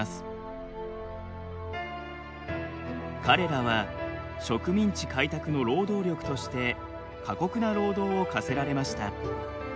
彼らは植民地開拓の労働力として過酷な労働を課せられました。